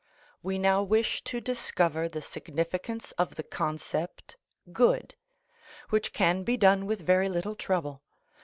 We now wish to discover the significance of the concept good, which can be done with very little trouble.